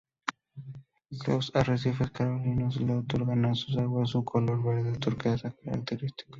Los arrecifes coralinos le otorgan a sus aguas su color verde turquesa característico.